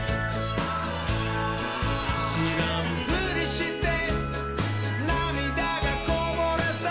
「しらんぷりしてなみだがこぼれた」